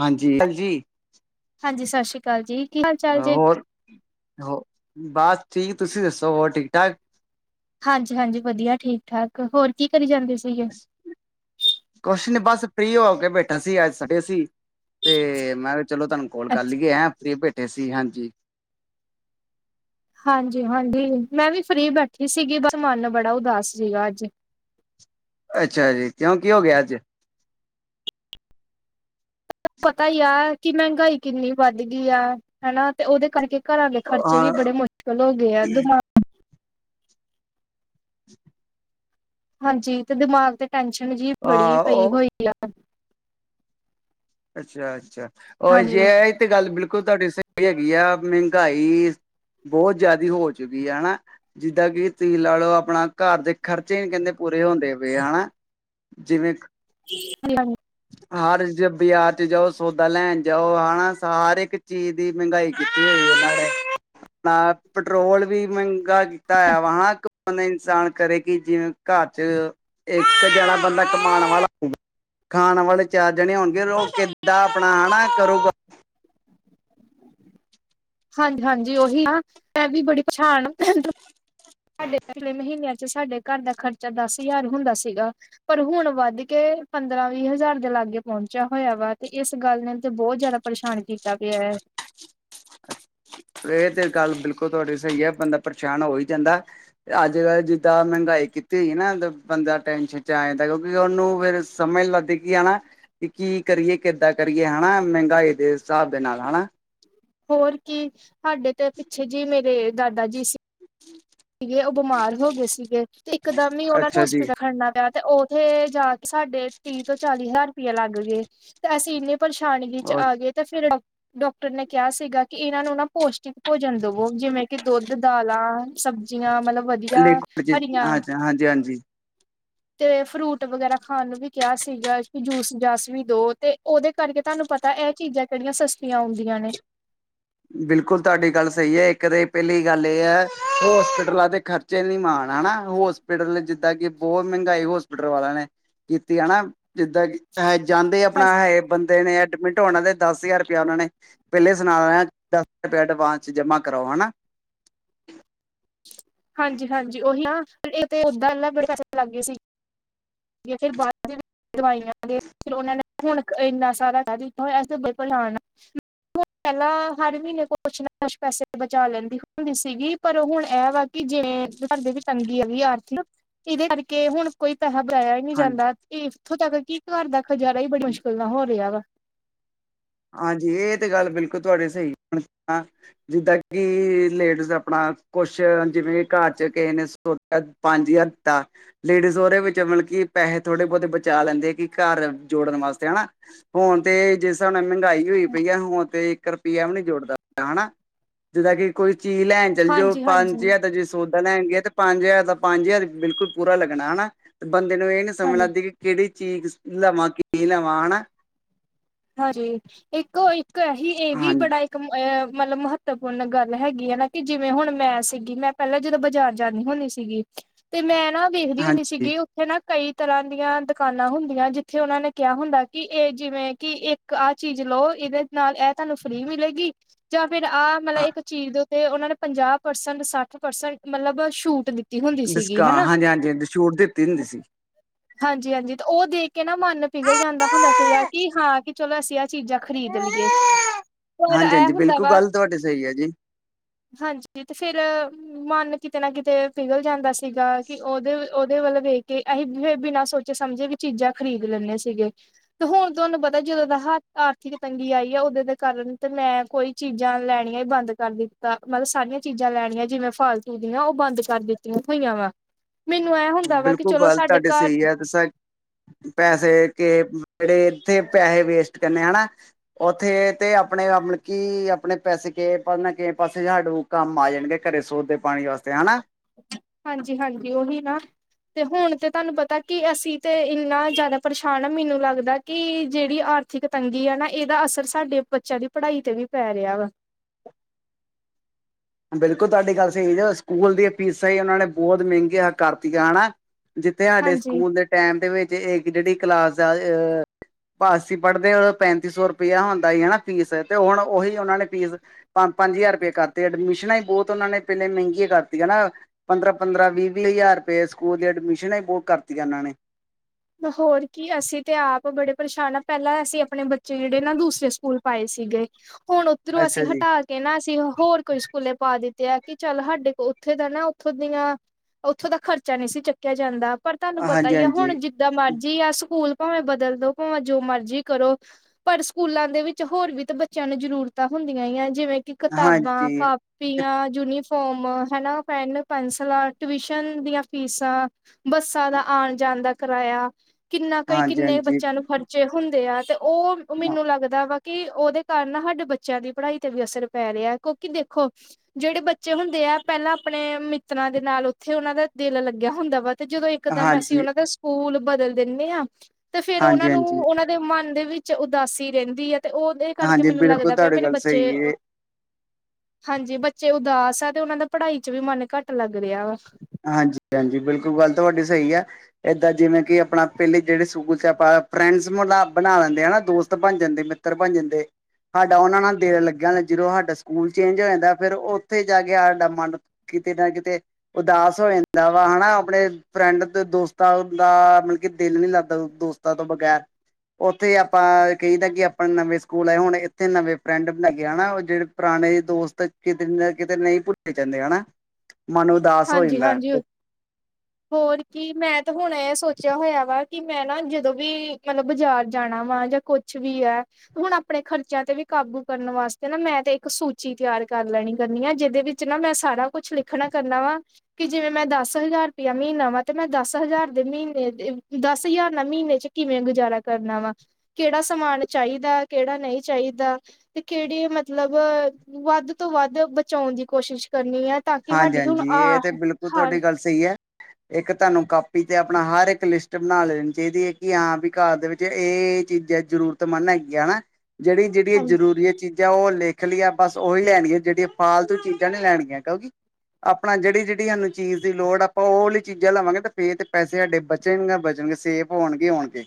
ਹਾਂਜੀ, ਹਲਜੀ। ਹਾਂਜੀ, ਸਸ਼ੀ ਕਾਲ ਜੀ। ਕੀ ਹਾਲ ਚਾਲ ਹਾ, ਹ ਜੇ ਹੌਰ ਹੋ ਬਸ ਠੀਕ, ਤੁਸੀ ਦੱਸੋ, ਹੌਰ ਠੀਕ ਠਾਕ? ਹਾਂਜੀ, ਹਾਂਜੀ ਵਧੀਆ ਠੀਕ-ਠਾਕ, ਹੋਰ ਕਿ ਕਰੀ ਜਾਂਦੇ ਸੀਗੇ? [unintelligible] ਕੁੱਛ ਨੀ ਬਸ ਫ੍ਰੀ ਹੋ ਕੇ ਬੈਠਾ ਸੀ। ਜ ਸਡੇ ਸੀ ਤੇ ਮੈਂ ਚਲੋ ਤਾਨੂੰ ਕੋਲ ਕਰ ਅੱਛ ਲਈਏ, ਐਂ ਫ੍ਰੀ ਬੈਠੇ ਸੀ, ਹਾਂਜੀ। ਹਾਂਜੀ, ਹਾਂਜੀ, ਮੈਂ ਵੀ ਫ੍ਰੀ ਬੈਠੀ ਸੀਗੀ, ਬਸ ਮਨ ਬੜਾ ਉਦਾਸ ਸੀਗਾ ਅੱਜ। ਅੱਛਾ ਜੀ, ਕਿਉਂ ਕੀ ਹੋਗਿਆ ਅੱਜ? ਪਤਾ ਈ ਆ ਕਿ ਮਹਿੰਗਾਈ ਕਿੰਨੀ ਵੱਧਗੀ ਆ, ਹਨਾ ਤੇ ਉਹਦੇ ਕਰਕੇ ਘਰਾਂ ਦੇ ਖਰਚੇ ਹਾਂ ਵੀ ਬੜੇ ਮੁਸ਼ਕਿਲ ਹੋ ਗਏ ਆ, ਦਮਾਗ [unintelligible] ਹਾਂਜੀ, ਤੇ ਦਿਮਾਗ ਤੇ ਟੈੰਸ਼ਨ ਜੀ ਬੜੀ ਹਾਂ ਪਈ ਉਹ ਹੋਈ ਆ। ਅੱਛਾ, ਅੱਛਾ, ਓਰ ਹਾਂਜੀ ਯੇ ਤੇ ਗੱਲ ਬਿਲਕੁਲ ਤੁਹਾਡੀ ਸਹੀ ਹੈਗੀ ਆ, ਮਹਿੰਗਾਈ ਬੋਤ ਜਿਆਦੀ ਹੋ ਚੁੱਕੀ ਆ ਹਨਾ, ਜਿੱਦਾਂ ਕਿ ਤੁਹੀ ਲਾ ਲਓ, ਆਪਣਾ ਘਰ ਦੇ ਖਰਚੇ ਨੀ ਕਹਿੰਦੇ ਪੂਰੇ ਹੁੰਦੇ ਪਏ ਹਣਾ, ਜਿਵੇਂ [unintelligible] ਹਾਰ ਜ ਬਜ਼ਾਰ'ਚ ਜਾਓ, ਸੌਦਾ ਲੈਣ ਜਾਓ ਹਾਣਾ, ਹਰ ਇੱਕ ਚੀਜ਼ ਦੀ ਮਹਿੰਗਾਈ ਕੀਤੀ ਹੋਈ ਉਹਨਾਂ ਨੇ। ਅਪਨਾ ਪਟਰੋਲ ਵੀ ਮਹਿੰਗਾ ਕੀਤਾ ਹੋਇਆ ਵਾ, ਹਾਂ ਇਨਸਾਨ ਕਰੇ ਕਿ ਜਿਵੇਂ ਘਰ'ਚ, ਇੱਕ ਜਣਾ ਬੰਦਾ ਕਮਾਣ ਵਾਲਾ ਹੁੰਦਾ ਖਾਣ ਵਾਲੇ ਚਾਰ ਜਣੇ ਹੋਣਗੇ, ਉਹ ਕਿੱਦਾਂ ਆਪਣਾ ਹਣਾ ਕਰੂਗਾ। ਹਾਂਜੀ, ਹਾਂਜੀ ਉਹੀ ਨਾ, ''ਮੈਂ ਵੀ ਬੜੀ ਪਰਸ਼ਾਨ ਆਂ ਸਾਡੇ ਪਿਛਲੇ ਮਹੀਨਿਆਂ'ਚ ਸਾਡੇ ਘਰ ਦਾ ਖਰਚਾ ਦੱਸ ਹਜ਼ਾਰ ਹੁੰਦਾ ਸੀਗਾ। ਪਰ ਹੁਣ ਵੱਧਕੇ, ਪੰਦਰਾਂ-ਵੀਹ ਹਜ਼ਾਰ ਦੇ ਲਾਗੇ ਪਹੁੰਚਿਆ ਹੋਇਆ ਵਾ, ਤੇ ਇਸ ਗੱਲ ਨੇ ਤੇ ਬਹੁਤ ਜ਼ਿਆਦਾ ਪਰੇਸ਼ਾਨ ਕੀਤਾ ਪਿਆ ਏ। ਇਹ ਤੇ ਗੱਲ ਬਿਲਕੁਲ ਤੁਹਾਡੀ ਸਹੀ ਹੈ, ਬੰਦਾ ਪਰੇਸ਼ਾਨ ਹੋ ਹੀ ਜਾਂਦਾ। ਅੱਜ- ਕੱਲ ਜਿੱਦਾਂ ਮਹਿੰਗਾਈ ਕੀਤੀ ਹੋਈ ਨਾ ਤੇ ਬੰਦਾ ਟੈਨਸ਼ਨ ਚ ਆ ਜਾਂਦਾ, ਕਿਉਂਕਿ ਉਨੂੰ ਫਿਰ, ਸਮਝ ਨੀ ਲਗਦੀ ਕੀ ਆਣਾ। ਕਿ ਕੀ ਕਰੀਏ, ਕਿੱਦਾਂ ਕਰੀਏ? ਹਨਾ ਮਹਿੰਗਾਈ ਦੇ ਹਿਸਾਬ ਦੇ ਨਾਲ ਹਨਾ। ਹੋਰ ਕੀ, ਸਾਡੇ ਤੇ ਪਿੱਛੇ ਜੀ ਮੇਰੇ ਦਾਦਾ ਜੀ ਸੀ ਹਮ। [unintelligible] ਸੀਗੇ, ਉਹ ਬਿਮਾਰ ਹੋ ਗਏ ਸੀਗੇ, ਤੇ ਇਕਦਮ ਹੀ ਉਹਨਾਂ ਨੂੰ ਅੱਛਾ ਜੀ ਹੋਸਪਿਟਲ ਖੜਨਾ ਪਿਆ। ਤੇ ਉੱਥੇ ਜਾ ਕੇ ਸਾਡੇ ਤੀਹ ਤੋਂ ਚਾਲੀ ਹਜ਼ਾਰ ਰੁਪਇਆ ਲੱਗ ਗਏ, ਤੇ ਅਸੀਂ ਇਨੇ ਪਰੇਸ਼ਾਨਗੀ ਵਿੱਚ ਆ ਗਏ, ਤੇ ਫਿਰ ਡਾਕਟਰ ਨੇ ਕਿਹਾ ਸੀਗਾ ਕਿ ਇਨਾਂ ਨੂੰ ਨਾ ਪੌਸ਼ਟਿਕ ਭੋਜਨ ਦੇਵੋ। ਜਿਵੇਂ ਕਿ ਦੁੱਧ, ਦਾਲਾਂ, ਸਬਜ਼ੀਆਂ, ਮਤਲਬ ਵੀਆ ਯਾ ਲਿਕੁਡ ਚ ਹਰੀਆਂ ਹਾਂਜੀ ਹਾਂਜੀ ਹਾਂਜੀ ਤੇ ਫਰੂਟ ਵਗੈਰਾ ਖਾਣ ਨੂੰ ਵੀ ਕਿਹਾ ਸੀਗਾ, ਕਿ ਜੂਸ ਜਾਸ ਵੀ ਦੋ ਤੇ ਉਹਦੇ ਕਰਕੇ ਤੁਹਾਨੂੰ ਪਤਾ ਤਾ ਇਹ ਚੀਜ਼ਾਂ ਕਿਹੜੀਆਂ ਸਸਤੀਆਂ ਆਉਂਦੀਆਂ ਨੇ। ਬਿਲਕੁਲ ਤੁਹਾਡੀ ਗੱਲ ਸਹੀ ਹੈ, ਇੱਕ ਤਾਂ ਪਹਿਲੀ ਗੱਲ ਏ ਹੈ, ਹੋਸਪਿਟਲਾਂ ਦੇ ਖਰਚ ਚੈਨੀ ਮਾਨ ਐ ਹਨਾ ਹੋਸਪਿਟਲ ਜਿੱਦਾਂ ਕੇ ਬਹੁ ਮੈਂਗਾਈ ਹੋਸਪਿਟਲ ਵਾਲੇਆਂ ਨੇ ਕੀਤੀ ਐ ਹਨਾ ਜਿੱਦਾਂ ਕੀ ਹੈ ਜਾਂਦੇ ਆਪਨਾ ਹਾਂਜੀ ਹੈ ਬੰਦੇ ਨੇ ਐਡਮਿਟ ਹੋਨਾ ਤੇ ਦਸ ਹਜ਼ਾਰ ਰੁਪਇਆ ਓਨਾ ਨੇ ਪੈਲੇ ਸੁਨਾ ਦੇਨਾ। ਦਸ ਹਜ਼ਾਰ ਰੁਪਏ ਐਡਵਾਂਸ ਚ ਜਮਾ ਕਰਾਓ ਹਨਾ। ਹਾਂਜੀ-ਹਾਂਜੀ, ਓਹੀ ਨਾ ਏ ਤੇ ਓਦਾਂ ਬੜੇ ਪੈਸੇ ਲੈਨ ਲਾਗੇ ਸੀ। ਜਾਂ ਫੇਰ ਬਾਰਾਂ ਦਿਨ ਦਵਾਈਆਂ ਤੇ ਓਨਾਂ ਨੇ ਹੁਨ ਏਨਾ ਸਾਰਾ ਕੈ ਦਿੱਤਾ ਹੋਏਆ ਅਸੀਂ ਤਾਂ ਬਈ ਪਠਾਨ ਆ। ਪੈਲਾਂ ਹਰ ਮੀਨੇ ਕੁਛ ਨਾ ਕੁਛ ਪੈਸੇ ਬਚਾ ਲੈਂਦੀ ਹੁੰਦੀ ਸੀਗੀ, ਪਰ ਹੁਨ ਐ ਵਾ ਕੀ ਜਿਵੇਂ ਵੀ ਘਰ ਦੇ ਵਿੱਚ ਤੰਗੀ ਹੈਗੀ ਆਰਥਿਕ, ਇਦੇ ਕਰਕੇ ਹੁਨ ਕੋਈ ਪੈਸਾ ਜਾਇਆ ਈ ਨਈ ਹਾਂਜੀ ਜਾਂਦਾ, ਇੱਥੋਂ ਤੱਕ ਕੇ ਘਰ ਦਾ ਗੁਜ਼ਾਰਾ ਈ ਬੜੀ ਮੁਸ਼ਕਿਲ ਨਾਲ ਹੋ ਰਿਆ ਵਾ। ਹਾਂਜੀ ਏ ਤੇ ਗੱਲ ਬਿਲਕੁਲ ਤੁਆਡੀ ਸਈ ਏ। ਜਿੱਦਾਂ ਕੀ ਲੇਡੀਜ਼ ਆਪਨਾ ਕੁਛ ਜਿਵੇਂ ਘਰ ਚ ਕਿਸੇ ਨੇ ਟੋਟਾ ਪੰਜ ਜਾਰ ਦਿੱਤਾ। ਲੇਡੀਜ਼ ਓਦੇ ਵਿੱਚ ਮਤਲਬ ਕੇ ਪੈਸੇ ਥੋੜੇ ਬੋਤੇ ਬਚਾ ਲੈਂਦੇ ਕੇ ਘਰ ਜੋੜਨ ਵਾਸਤੇ ਹਨਾ। ਹੁਨ ਤੇ ਜਿਸ ਸਾਬ ਨਾਲ ਮੈਂਗਾਈ ਹੋਈ ਪਈ ਆ, ਹੁਨ ਤੇ ਇੱਕ ਰੁਪਇਆ ਵੀ ਨੀ ਜੁੜਦਾ ਪਿਆ ਹਨਾ। ਜਿੱਦਾਂ ਕੀ ਕੋਈ ਚੀਜ਼ ਲੈਨ ਚੱਲ ਜੋ ਹਾਂਜੀ ਪੰਜ ਹਾਂਜੀ ਜਾਰ ਤਾਂ ਜਿਸ ਸੌਦਾ ਲੈਨਗੇ ਤੇ ਪੰਜ ਜ਼ਾਰ ਦਾ ਪੰਜ ਜ਼ਾਰ ਬਿਲਕੁਲ ਪੂਰਾ ਲੱਗਨਾ ਹਨਾ, ਤੇ ਬੰਦੇ ਨੂੰ ਏ ਨੀ ਸਮਝ ਹਾਂਜੀ ਲੱਗਦੀ ਕੀ ਕੇੜੀ ਚੀਜ ਲਵਾਂ ਨਾ ਕੀ ਲਵਾਂ ਹਨਾ। ਹਾਂਜੀ, ਇੱਕੋ ਇੱਕ ਸੀ ਏ ਵੀ ਹਾਂਜੀ ਬੜਾ ਇੱਕ ਅ ਮਤਲਬ ਮਹੱਤਵਪੂਰਨ ਗੱਲ ਹੈਗੀ ਏ ਨਾ ਕਿ ਜਿਵੇਂ ਹੁਨ ਮੈਂ ਸੀਗੀ ਮੈਂ ਪੈਲਾਂ ਜਦੋਂ ਬਾਜ਼ਾਰ ਜਾਂਨੀ ਹੁੰਨੀ ਸੀ ਸੀਗੀ, ਤੇ ਮੈਂ ਨਾ ਵੇਖਦੀ ਹੁੰਦੀ ਹਾਂਜੀ ਸੀਗੀ ਓਥੇ ਨਾ ਕਈ ਤਰ੍ਹਾਂ ਦੀਆਂ ਦੁਕਾਨਾਂ ਹੁੰਦੀਆਂ, ਜਿੱਥੇ ਓਨਾਂ ਨੇ ਕਿਆ ਹੁੰਦਾ ਕੇ ਏ ਜਿਵੇਂ ਕੀ ਇੱਕ ਆਹ ਚੀਜ਼ ਲਓ, ਇਦੇ ਨਾਲ ਐ ਤਾਨੂੰ ਫਰੀ ਮਿਲੇਗੀ। ਜਾਂ ਫਿਰ ਆਹ ਮਤਲਬ ਇੱਕ ਚੀਜ਼ ਦੇ ਉੱਤੇ ਓਨਾ ਨੇ ਪੰਜਾਹ ਪਰਸੈਂਟ ਸੱਠ ਪਰਸੈਂਟ ਮਤਲਬ ਛੂਟ ਦਿੱਤ ਦਸਕਾਂਹਾਂ ਹਾਂਜੀ-ਹਾਂਜੀ ਛੂਟ ਦਿੱਤੀ ਹੁੰਦੀ ਸੀ। ਹਾਂਜੀ-ਹਾਂਜੀ ਤੇ ਓ ਦੇਖ ਕੇ ਨਾ ਮਨ ਪਿਘਲ ਜਾਂਦਾ ਹੁੰਦਾ ਸੀਗਾ, ਕੀ ਹਾਂ ਕੇ ਚਲੋ ਅਸੀਂ ਆ ਚੀਜ਼ਾਂ ਖ਼ਰੀਦ ਲੀਏ, ਪਰ ਹਾਂਜੀ ਐ ਹਾਂਜੀ ਹੁੰਦਾ ਬਿਲਕੁਲ ਵਾ ਗੱਲ ਤੁਹਾਡੀ ਸਹੀ ਹੈ ਜੀ ਹਾਂਜੀ, ਤੇ ਫਿਰ ਮਨ ਕਿਤੇ ਨਾ ਕਿਤੇ ਪਿਘਲ ਜਾਂਦਾ ਸੀਗਾ ਕੀ ਓਦੇ-ਓਦੇ ਵੱਲ ਵੇਖ ਕੇ ਅਸੀਂ ਫਿਰ ਬਿਨਾਂ ਸੋਚ ਸੋਚੇ ਸਮਝੇ ਵੀ ਚੀਜ਼ਾਂ ਖਰੀਦ ਲੈਂਦੇ ਸੀਗੇ, ਤੇ ਹੁਨ ਤੁਆਨੂੰ ਪਤਾ ਜਦੋਂ ਦਾ ਹੱਥ ਆਰਥਿਕ ਤੰਗੀ ਆਈ ਆ, ਓਦੋਂ ਦੇ ਕਾਰਨ ਤੇ ਮੈਂ ਕੋਈ ਚੀਜ਼ਾਂ ਲੈਨੀਆਂ ਈ ਬੰਦ ਕਰ ਦਿੱਤੀ ਤਾਂ ਮਤਲਬ, ਸਾਰੀਆਂ ਚੀਜ਼ਾਂ ਲੈਨੀਆਂ ਜਿਵੇਂ ਫਾਲਤੂ ਦੀਆਂ ਓ ਬੰਦ ਕਰ ਦਿੱਤੀਆਂ ਹੋਈਆਂ ਵਾ। ਮੈਨੂੰ ਐ ਬਿਲਕੁਲ ਗੱਲ ਤੁਆਡੀ ਸਈ ਐ, ਦੱਸਾਂ ਪੈਸੇ ਕੇ ਜੇੜੇ ਏਥੇ ਪੈਸੇ ਵੇਸਟ ਕਰਨੇ ਹਨਾ। ਓਥੇ ਤੇ ਆਪਨੇ ਮਤਲਬ ਕੀ ਆਪਨੇ ਪੈਸੇ ਕੇ ਪਾਸੇ ਕਿਵੇਂ ਪਾਸੇ ਝਾਡੁੰ ਕੰਮ ਆ ਜਾਨਗੇ ਘਰੇ ਸੋਦੇ ਪਾਨੀ ਵਾਸਤੇ ਹਨਾ। ਹਾਂਜੀ-ਹਾਂਜੀ ਓਹੀ ਨਾ। ਤੇ ਹੁਨ ਤੇ ਤਾਨੂੰ ਪਤਾ ਕੀ ਅਸੀਂ ਤੇ ਇੰਨਾ ਜਾਦਾ ਪਰੇਸ਼ਾਨ ਆ ਮੈਨੂੰ ਲੱਗਦਾ ਕੀ ਜੇੜੀ ਆਰਥਿਕ ਤੰਗੀ ਆ ਨਾ ਏਦਾ ਅਸਰ ਸਾਡੇ ਬੱਚਿਆਂ ਦੀ ਪੜਾਈ ਤੇ ਵੀ ਪੈ ਰਿਆ ਵਾ। ਬਿਲਕੁਲ ਤੁਆਡੀ ਗੱਲ ਸਈ ਸਕੂਲ ਦੀਆਂ ਫੀਸਾਂ ਈ ਓਨਾਂ ਨੇ ਬੋਤ ਮੈਂਗੀਆਂ ਕਰਤੀਆਂ ਹਨਾ। ਜਿੱਥੇ ਸਾਡੇ ਹਾਂਜੀ ਸਕੂਲ ਦੇ ਟੈਮ ਦੇ ਵਿੱਚ ਇੱਕ ਜੇੜੀ ਕਲਾਸ ਦਾ ਅ ਭਾਦਸੀਂ ਪੜਦੇ ਓਦੋਂ ਪੈਂਤੀ ਸੌ ਰੁਪਇਆ ਹੁੰਦਾ ਸੀ ਹਨਾ ਫੀਸ ਤੇ ਹੁਨ ਓਹੀ ਓਨਾਂ ਨੇ ਫੀਸ ਪੰਜ-ਪੰਜ ਜ਼ਾਰ ਰੁਪਏ ਕਰਤੇ ਐਡਮਿਸ਼ਨਾਂ ਈ ਬੋਤ ਓਨਾਂ ਨੇ ਪੈਲੇ ਮੈਂਗੀਆਂ ਕਰਤੀਆਂ ਹਨਾ। ਪੰਦਰਾਂ ਪੰਦਰਾਂ ਵੀਹ ਵੀਹ ਹਜ਼ਾਰ ਰੁਪਏ ਸਕੂਲ ਦੀ ਐਡਮਿਸ਼ਨਨਾਂ ਏ ਬਹੁਤ ਕਰਤੀਆਂ ਇਹਨਾਂ ਨੇ। ਹੋਰ ਕੀ ਅਸੀਂ ਤੇ ਆਪ ਬੜੇ ਪਰੇਸ਼ਾਨ ਆ ਪਹਿਲਾਂ ਅਸੀਂ ਆਪਣੇ ਬੱਚੇ ਜਿਹੜੇ ਨਾ ਦੂਸਰੇ ਸਕੂਲ, ਪਾਏ ਸੀਗੇ, ਹੁਣ ਉੱਧਰੋਂ ਅੱਛਾ ਅਸੀਂ ਜੀ ਹਟਾ ਕੇ ਨਾ ਅਸੀਂ ਹੋਰ ਕੋਈ ਸਕੂਲੇ ਪਾ ਦਿੱਤੇ ਏ। ਕਿ ਚੱਲ ਸਾਡੇ ਕੋਲ ਉੱਥੇ ਦਾ ਨਾ ਉੱਥੋਂ ਦੀਆਂ ਉੱਥੋਂ ਦਾ ਖਰਚਾ ਨੀ ਸੀ ਚੁਕਿਆ ਜਾਂਦਾ ਪਰ ਤੁਹਾਨੂੰ ਪਤਾ ਹਾਂਜੀ ਹੀ ਹੈ ਹੁਣ ਹਾਂਜੀ ਜ ਮਰਜ਼ੀ ਆ ਸਕੂਲ ਭਾਵੇਂ ਬਦਲ ਦੋ ਭਾਵੇਂ ਜੋ ਮਰਜ਼ੀ ਕਰੋ ਪਰ ਸਕੂਲਾਂ ਦੇ ਵਿੱਚ ਹੋਰ ਵੀ ਤਾਂ ਬੱਚਿਆਂ ਨੂੰ ਜਰੂਰਤਾਂ ਹੁੰਦੀਆਂ ਹੀ ਆ ਜਿਵੇਂ ਕਿ ਕਿਤਾਬਾਂ ਹਾਂਜੀ ਹਾਂਜੀ ਕਾਪ ਪੀਆਂ, ਯੂਨੀਫੋਮ ਹਨਾ ਪੈਨ, ਪੈਨਸਿਲਾਂ, ਟਿਊਸ਼ਨ ਦੀਆਂ ਫੀਸਾਂ ਬੱਸਾਂ ਦਾ ਆਉਣ ਜਾਣ ਦਾ ਕਿਰਾਇਆ ਕਿੰਨਾ ਕੁਈ ਕਿੰਨੇ ਹਾਂਜੀ ਹਾਂਜੀ ਬੱਚਿਆਂ ਨੂੰ ਖਰਚ ਉੱਚੇ ਹੁੰਦੇ ਆ ਤੇ ਉਹ ਮੈਨੂੰ ਲੱਗਦਾ ਵਾ ਕਿ ਉਹਦੇ ਕਾਰਨ ਨਾ ਸਾਡੇ ਬੱਚਿਆਂ ਦੀ ਪੜ੍ਹਾਈ ਤੇ ਵੀ ਅਸਰ ਪੈ ਰਿਹਾ ਕਿਉਂਕਿ ਦੇਖੋ ਜਿਹੜੇ ਬੱਚੇ ਹੁੰਦੇ ਆ ਪਹਿਲਾਂ ਆਪਣੇ ਮਿੱਤਰਾਂ ਦੇ ਨਾਲ ਉੱਥੇ ਉਹਨਾਂ ਦਾ ਦਿਲ ਲੱਗਿਆ ਹੁੰਦਾ ਵਾ। ਤੇ ਜਦੋਂ ਇੱਕਦਮ ਅਸੀਂ ਹਾਂਜੀ ਉਹਨਾਂ ਦਾ ਸਕੂਲ ਬਦਲ ਦਿੰਨੇ ਹਾਂ ਤੇ ਫੇਿਰ ਉਹਨਾਂ ਨੂੰ ਹਾਂਜੀ ਉਹ ਦੇ ਮਨ ਦੇ ਵਿੱਚ ਉਦਾਸੀ ਰਹਿੰਦੀ ਹੈ, ਤੇ ਉਹਦੇ ਕਰਕੇ ਹਾਂਜੀ ਮੈਨੂੰ ਬਿਲਕੁਲ ਲੱਗਦਾ ਪਿਆ ਤੁਹਾਡੀ ਮੇਰੇ ਗੱਲ ਬੱਚੇ ਸਹੀ ਹੈ ਹਾਂਜੀ। ਬੱਚੇ ਉਦਾਸ ਆ ਤੇ ਉਹਨਾਂ ਦਾ ਪੜ੍ਹਾਈ ਚ ਵੀ ਮਨ ਘੱਟ ਲੱਗ ਰਿਹਾ ਵਾ ਹਾਂਜੀ, ਭੈਂਜੀ ਬਿਲਕੁਲ ਗੱਲ ਤਾਂ ਤੁਹਾਡੀ ਸਹੀ ਏ। ਏਦਾਂ ਜਿਵੇਂ ਕਿ ਆਪਣਾ ਪਹਿਲੇ ਜਿਹੜੇ ਸਕੂਲ ਚ ਆਪਾਂ ਫਰੈਂਡਸ ਬਣਾ ਲੈਂਦੇ ਆ ਨਾ ਦੋਸਤ ਬਣ ਜਾਂਦੇ ਉੱਤਰ ਪੰਜ ਜ ਦੇ [unintelligible] ਸਾਡਾ ਉਹਨਾਂ ਨਾਲ ਦਿਲ ਲੱਗਿਆ ਜਦੋਂ ਸਾਡਾ ਸਕੂਲ ਚੇਂਜ ਹੋ ਜਾਂਦਾ ਫੇਿਰ ਉੱਥੇ ਜਾ ਕੇ ਸਾਡਾ ਮਨ ਕਿਤੇ ਨਾ ਕਿਤੇ ਉਦਾਸ ਹੋ ਜਾਂਦਾ ਵਾ ਹਨਾ ਆਪਣੇ ਫਰੈਂਡ ਦੋਸਤਾਂ ਦਾ ਮਤਲਬ ਕਿ ਦਿਲ ਨੀ ਲੱਗਦਾ ਦੋਸਤਾਂ ਤੋਂ ਬਗੈਰ ਉੱਥੇ ਆਪਾਂ ਕਹੀਦਾ ਕਿ ਆਪਾਂ ਨਵੇਂ ਸਕੂਲ ਆਏ, ਹੁਣ ਇੱਥੇ ਨਵੇਂ ਪਿੰਡ ਬਣਾ ਗਿਆ ਹਨਾ ਉਹ ਜਿਹੜੇ ਪੁਰਾਣੇ ਦੋਸਤ ਕਿਤੇ ਨਾ ਕਿਤੇ ਨਹੀਂ ਭੁੱਲੇ ਜਾਂਦੇ ਹਨਾ। ਮਨ ਉਦਾਸ ਹੋ ਹਾਂਜੀ, ਜਾਂਦਾ ਹਾਂਜੀ। [inaudible] ਹੋਰ ਕੀ ਮੈਂ ਤਾਂ ਹੁਣ ਇਹ ਸੋਚਿਆ ਹੋਇਆ ਵਾ ਕਿ ਮੈਂ ਨਾ ਜਦੋਂ ਵੀ ਮਤਲਬ ਬਾਜ਼ਾਰ ਜਾਣਾ ਵਾ ਜਾਂ ਕੁਛ ਕੁਛ ਵੀ ਹੈ। ਹੁਣ ਆਪਣੇ ਖਰਚਿਆਂ ਤੇ ਵੀ ਕਾਬੂ ਕਰਨ ਵਾਸਤੇ ਨਾ ਮੈਂ ਤੇ ਇੱਕ ਸੂਚੀ ਤਿਆਰ ਕਰ ਲੈਣੀ ਕਰਨੀ ਏ ਜਿਹਦੇ ਵਿੱਚ ਜਿਹਦ ਵਿਚ ਮੈਂ ਸਾਰਾ ਕੁਛ ਲਿਖਣਾ ਕਰਨਾ ਵਾ ਕਿ ਜਿਵੇਂ ਮੈਂ ਦਸ ਹਜ਼ਾਰ ਰੁਪਇਆ ਮਹੀਨਾ ਵਾ, ਤੇ ਮੈਂ ਦਸ ਹਜ਼ਾਰ ਦੇ ਮਹੀਨੇ ਦੇ ਦਸ ਹਜ਼ਾਰ ਨਾਲ ਮਹੀਨੇ ਚ ਕਿਵੇਂ ਗੁਜ਼ਾਰਾ ਕਰਨਾ ਵਾ, ਕਿਹੜਾ ਸਮਾਨ ਚਾਹੀਦਾ ਕਿਹੜਾ ਨਹੀਂ ਚਾਹੀਦਾ। ਤੇ ਕਿਹੜੇ ਮਤਲਬ ਵੱਧ ਤੋਂ ਵੱਧ ਬਚਾਉਣ ਦੀ ਕੋਸ਼ਿਸ਼ ਕਰਨੀ ਏ ਤਾਂ ਕਿ ਸਾਡੀ ਹੁਣ ਜੀ ਆ ਇਹ ਤੇ ਬਿਲਕੁਲ ਹਾਂ ਤੁਹਾਡੀ ਗੱਲ ਸਹੀ ਏ। ਇੱਕ ਤੁਹਾਨੂੰ ਕਾਪੀ ਤੇ ਆਪਣਾ ਹਰ ਇੱਕ ਲਿਸਟ ਬਣਾ ਲੈਣੀ ਚਾਹੀਦੀ ਏ ਕਿ ਹਾਂ ਵੀ ਘਰ ਦੇ ਵਿੱਚ ਇਹ ਚੀਜ਼ਾਂ ਜ਼ਰੂਰਤਮੰਨ ਹੈਗੀਆਂ ਨਾ ਜਿਹੜੀ -ਜਿਹੜੀ ਹਾਂਜੀ ਜ਼ਰੂਰੀ ਹੈ ਚੀਜ਼ਾਂ ਜਾਂ ਉਹ ਲਿਖ ਲਈਏ ਆ ਬਸ ਉਹੀ ਲੈਣਗੀਆਂ ਜਿਹੜੀਆਂ ਫਾਲਤੂ ਚੀਜ਼ਾਂ ਨੀ ਲੈਣੀਆਂ ਗਲਤ ਆਪਣਾ ਜਿਹੜੀ ਜਿਹੜੀ ਸਾਨੂੰ ਚੀਜ਼ ਦੀ ਲੋੜ ਆਪਾਂ ਉਹ ਵਾਲਲੀ ਚੀਜ਼ਾਂ ਲਵਾਂਗੇ ਤਾਂ, ਫਿਰ ਤਾਂ ਪੈਸੇ ਸਾਡੇ ਬਚਣਗੇ ਬਚਣਗੇ ਸੇਫ ਹੋਣਗੇ ਹੋਣਗੇ।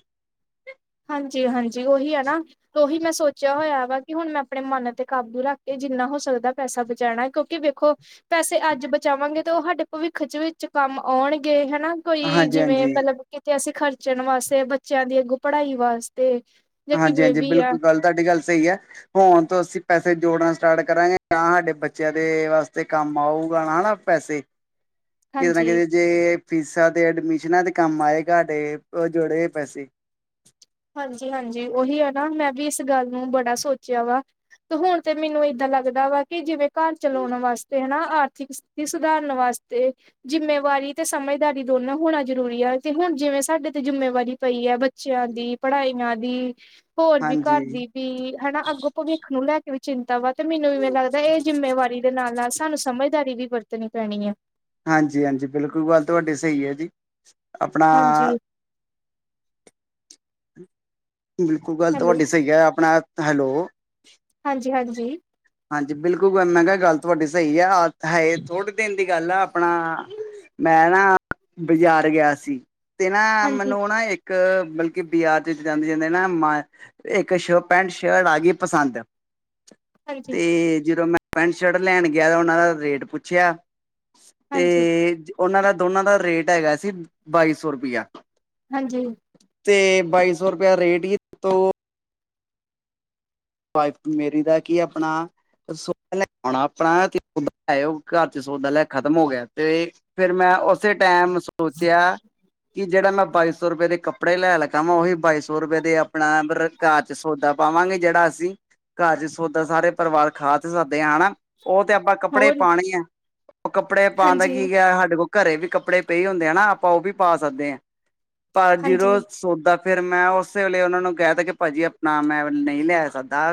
ਹਾਂਜੀ, ਹਾਂਜੀ। ਉਹੀ ਹੈ ਨਾ ਉਹੀ ਮੈਂ ਸੋਚਿਆ ਹੋਇਆ ਵਾ ਕਿ ਹੁਣ ਮੈਂ ਆਪਣੇ ਮਨ ਤੇ ਕਾਬੂ ਰੱਖ ਕੇ ਜਿੰਨਾ ਹੋ ਸਕਦਾ ਪੈਸਾ ਬਚਾਉਣਾ ਕਿਉਂਕਿ ਖੋ ਪੈਸੇ ਅੱਜ ਬਚਾਵਾਂਗੇ। ਤੇ ਉਹ ਸਾਡੇ ਭਵਿੱਖ ਚ ਵਿੱਚ ਕੰਮ ਆਉਣਗੇ ਹੈਨਾ! ਕੋਈ ਜਿਵੇਂ, ਹਾਂਜੀ-ਹਾਂਜੀ, ਮਤਲਬ ਕਿਤੇ ਅਸੀ ਖਰਚਣ ਵਾਸਤੇ, ਬੱਚਿਆਂ ਦੀ ਅੱਗੋਂ ਪੜ੍ਹਾਈ ਵਾਸਤੇ। ਜਾਂ ਹਾਂਜੀ, ਕਿਵੇਂ -ਹਾਂਜੀ! ਵੀ ਆ ਬਿਲਕੁਲ ਗੱਲ, ਤੁਹਾਡੀ ਗੱਲ ਸਹੀ ਹੈ। ਹੁਨ ਤੋਂ ਅਸੀਂ ਪੈਸੇ ਜੋੜਨਾ ਸਟਾਰਟ ਕਰਾਂਗੇ। ਤਾਂ ਸਾਡੇ ਬੱਚਿਆਂ ਦੇ ਵਾਸਤੇ ਕੰਮ ਆਊਗਾ। [unintelligible] ਪੈਸੇ ਕਿਤੇ ਨਾ ਹਾਂਜੀ ਕਿਤੇ, ਜੇ ਇਹ ਫੀਸਾਂ ਤੇ ਐਡਮਿਸ਼ਨਾਂ ਦੇ ਕੰਮ ਆਏਗਾ। ਤੇ ਉਹ ਜੋੜੇ ਹੋਏ ਪੈਸੇ। ਹਾਂਜੀ-ਹਾਂਜੀ ਉਹੀ ਆ ਨਾ। ਮੈਂ ਵੀ ਇਸ ਗੱਲ ਨੂੰ ਬੜਾ ਸੋਚਿਆ ਵਾ। ਤੇ ਹੁਣ ਤੇ ਮੈਨੂੰ ਇਹਦਾਂ ਲੱਗਦਾ ਵਾ। ਕਿ ਜਿਵੇਂ ਘਰ ਚਲਾਉਣ ਵਾਸਤੇ, ਹਨਾ ਆਰਥਿਕ ਸਥਿ ਤੀ ਸੁਧਾਰਨ ਵਾਸਤੇ ਜਿੰਮੇਵਾਰੀ ਤੇ ਸਮਝਦਾਰੀ ਦੋਨੋਂ ਹੋਣਾ ਜਰੂਰੀ ਆ। ਤੇ ਹੁਣ ਜਿਵੇਂ ਸਾਡੇ ਤੇ ਜਿੰਮੇਵਾਰੀ ਪਈ ਹੈ। ਬ ਚਿਆਂ ਦੀ ਪੜ੍ਹਾਈਆਂ ਦੀ। ਹੋਰ ਵੀ ਘਰ ਹਾਂਜੀ ਦੀ ਵੀ। ਹਨਾ ਅੱਗੋਂ ਭਵਿੱਖ ਨੂੰ ਲੈ ਕੇ ਵੀ ਚਿੰਤਾ ਵਾ। ਤੇ ਮੈਨੂੰ ਵੀ ਇਵੇਂ ਲੱਗਦਾ। ਇਹ ਜਿੰਮੇਵਾਰੀ ਦੇ ਨਾਲ-ਨਾਲ ਸਾਨੂੰ ਸਮਝਦਾਰੀ ਵੀ ਵਰਤਣੀ ਪੈਣੀ ਹੈ। ਹਾਂਜੀ-ਹਾਂਜੀ ਬਿਲਕੁਲ, ਗੱਲ ਤੁਹਾਡੀ ਸਹੀ ਹੈ ਜੀ। ਆਪਣਾ ਹਾਂਜੀ ਬਿਲਕੁਲ, ਗੱਲ ਹੈਲੋ ਤੁਹਾਡੀ ਸਹੀ ਹੈ। ਆਪਣਾ, ਹੈਲੋ ਹਾਂਜੀ-ਹਾਂਜੀ ਹਾਂਜੀ ਬਿਲਕੁਲ, ਮੈਂ ਕਿਹਾ ਗੱਲ ਤੁਹਾਡੀ ਸਹੀ ਆ। ਆਹ ਹੈ ਥੋੜੇ ਦਿਨ ਦੀ ਗੱਲ ਆ। ਆਪਣਾ ਮੈਂ ਨਾ ਬਾਜਾਰ ਗਿਆ ਸੀ। ਤੇ ਨਾ ਮੈਨੂੰ ਨਾ ਇੱਕ ਕ ਮਤਲਬ ਕਿ ਬਜਾਰ ਚ ਜਾਂਦੇ-ਜਾਂਦੇ ਨਾ ਮੈਂ, ਇੱਕ ਸ਼ ਪੈਂਟ ਸ਼ਰਟ ਆ ਗਈ ਪਸੰਦ। ਹਾਂਜੀ-ਹਾਂਜੀ, ਤੇ ਜਿਦੋਂ ਮੈਂ ਪੈਂਟ ਸ਼ਰਟ ਲੈਣ ਗਿਆ। ਤਾਂ ਉਹਨਾਂ ਦਾ ਰੇਟ ਪੁੱਛਿਆ। ਤੇ ਉਹਨਾਂ ਦਾ, ਦੋਨਾਂ ਦਾ ਰੇਟ ਹੈਗਾ ਸੀ ਬਾਈ ਸੌ ਰੁਪਇਆ। ਹਾਂਜੀ ਤੇ ਬਾਈ ਸੌ ਰੁਪਇਆ ਰੇਟ ਈ। ਤੋ ਵਾਈਫ ਮੇਰੀ ਦਾ ਕੀ ਆਪਣਾ? ਸੌਦਾ ਲੈ ਕੇ ਆਉਣਾ ਆਪਣਾ। [inaudible] ਘਰ ਚ ਸੌਦਾ ਲਿਆਇਆ ਖਤਮ ਹੋ ਗਿਆ। ਤੇ ਤੇ ਫਿਰ ਮੈਂ ਉਸੇ ਟੈਮ ਸੋਚਿਆ। ਕਿ ਜਿਹੜਾ ਮੈਂ ਬਾਈ ਸੌ ਰੁਪਏ ਦੇ ਕੱਪੜੇ ਲੈਣ ਲਗਾ ਵਾ। ਉਹੀ ਬਾਈ ਸੌ ਰੁਪਏ ਦੇ ਆਪਣਾ ਬਰ ਘਰ ਚ ਸੌਦਾ ਪਾਵਾਂਗੇ। ਜਿਹੜਾ ਅਸੀਂ ਘਰ ਚ ਸੌਦਾ ਸਾਰੇ ਪਰਿਵਾਰ ਖਾ ਤੇ ਸਕਦੇ ਹਾਂ। ਹਨਾ ਉਹ ਤੇ ਆਪਾਂ ਕੱਪੜੇ ਹੋਰ ਪਾਉਣੇ ਆ। ਉਹ ਕੱਪੜੇ ਪਾਉਣ ਦਾ ਹਾਂਜੀ ਕੀ ਐ ਹੈਗਾ ਸਾਡੇ ਕੋਲ। ਘਰੇ ਵੀ ਕੱਪੜੇ ਪਏ ਈ ਹੁੰਦੇਆ ਨਾ। ਆਪਾਂ ਉਹ ਵੀ ਪਾ ਸਕਦੇ ਹੈਂ। ਪਰ ਹਾਂਜੀ, ਜਿਦੋ ਤੋਡਾ, ਫਿਰ ਮੈਂ ਉਸੇ ਵੇਲੇ ਉਹਨਾਂ ਨੂੰ ਕਹਿ ਤਾ। ਕਿ ਭਾਜੀ ਆਪਨਾ, ਮੈਂ ਨਹੀਂ ਲੈ ਸਕ ਦਾ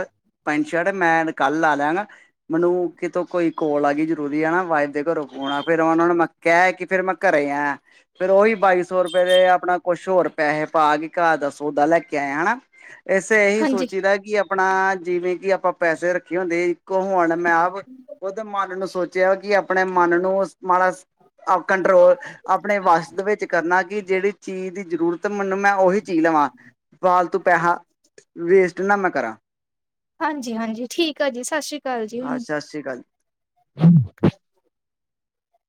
ਪੈਂਟ ਸ਼ਰਟ, ਮੈਂ ਕੱਲ ਲੈ ਲਿਆਂਗਾ। ਮੈਨੂੰ ਕਿਤੋਂ ਕੋਈ ਕੋਲ ਆ ਗਈ ਜਰੂਰੀ। ਹੈਨਾ ਵਾਈਫ ਦੇ ਘਰੋਂ ਫੋਨ ਆ। ਫਿਰ ਉਹਨਾਂ ਨੂੰ ਮੈਂ ਕੈ ਕੇ ਫਿਰ ਮੈਂ ਘਰੇ ਆਇਆਂ। ਫਿਰ ਉਹੀ ਬਾਈ ਸੌ ਰੁਪਏ ਦੇ, ਆਪਣਾ ਕੁਛ ਹੋਰ ਪੈਸੇ ਪਾ ਕੇ ਘਰ ਦਾ ਸੌਦਾ ਲੈ ਕੇ ਆਏਆ। ਹਨਾ ਇੱਸੇ ਇਹੀ ਹਾਂਜੀ, ਸੋਚੀ ਦਾ ਕਿ ਆਪਣਾ, ਜਿਵੇਂ ਕਿ ਆਪਾਂ ਪੈਸੇ ਰੱਖੇ ਹੁੰਦੇ ਸੀ। ਕਿ ਹੁਣ ਮੈਂ ਬ, ਉਹਦੇ ਮਨ ਨੂੰ ਸੋਚਿਆ। ਕਿ ਆਪਣੇ ਮਨ ਨੂੰ ਸ ਮਾੜਾ ਸ ਆ ਕੰਟਰੋਲ ਆਪਣੇ ਵਸ਼ ਦੇ ਵਿੱਚ ਕਰਨਾ। ਕਿ ਜਿਹੜੀ ਚੀਜ ਦੀ ਜ਼ਰੂਰਤ ਤੇ ਮੈਨੂੰ, ਮੈਂ ਉਹੀ ਚੀਜ ਲਵਾਂ। ਫਾਲਤੂ ਪੈਸਾ ਵੇਸਟ ਨਾ ਮੈਂ ਕਰਾਂ। ਹਾਂਜੀ-ਹਾਂਜੀ ਠੀਕ ਆ ਜੀ। ਸਤਿ ਸ਼੍ਰੀ ਅਕਾਲ ਜੀ ਹਾਂ ਹੁਣ ਸਤਿ ਸ਼੍ਰੀ ਅਕਾਲ।